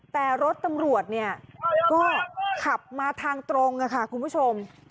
แต่รถตำรวจก็ขับมาทางตรงคุณผู้ชม